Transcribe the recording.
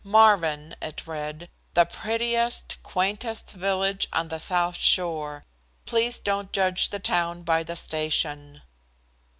"Marvin," it read, "the prettiest, quaintest village on the south shore. Please don't judge the town by the station."